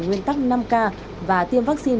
nguyên tắc năm k và tiêm vaccine